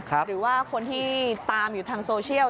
หรือว่าคนที่ตามอยู่ทางโซเชียล